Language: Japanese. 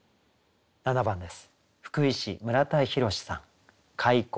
７番です。